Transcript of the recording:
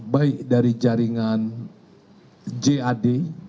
baik dari jaringan jad